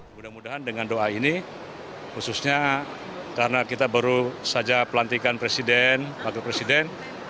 mudah mudahan dengan doa ini khususnya karena kita baru saja pelantikan presiden wakil presiden